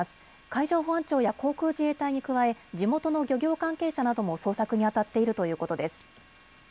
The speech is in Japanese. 海上保安庁や航空自衛隊に加え地元の漁業漁業関係者なども捜索にあたっているということです。